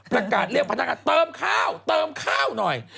ประกาศเรียกพนักงานเติมข้าวเติมข้าวหน่อย